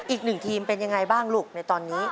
อีกหนึ่งทีมเป็นยังไงบ้างลูกในตอนนี้